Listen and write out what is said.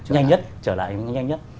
nhanh nhất trở lại nhanh nhất